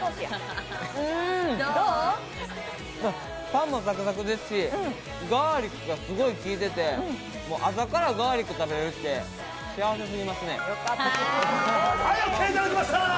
パンもサクサクですし、ガーリックがすごい効いてて朝からガーリックを食べられるって、幸せすぎますね。